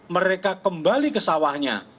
mereka kembali ke sawahnya